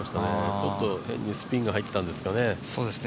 ちょっとスピンが入ったんですかね。